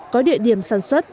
có địa điểm sản xuất